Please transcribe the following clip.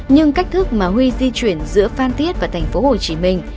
nhưng cách thức mà huy di chuyển giữa phan thiết và thành phố hồ chí minh